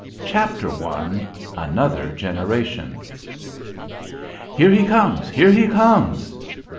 CHAPTER I. ANOTHER GENERATION. "Here he comes! here he comes!"